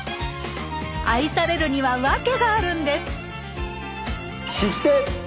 愛されるには訳があるんです！